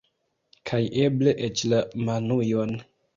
Kaj eble eĉ la monujon.